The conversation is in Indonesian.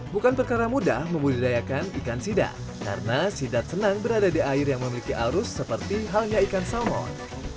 bukan perkara mudah membudidayakan ikan sidap karena sidat senang berada di air yang memiliki arus seperti halnya ikan salmon